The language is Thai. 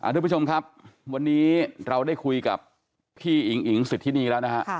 ทุกผู้ชมครับวันนี้เราได้คุยกับพี่อิ๋งอิ๋งสิทธินีแล้วนะฮะ